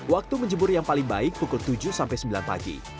waktu menjemur yang paling baik pukul tujuh sampai sembilan pagi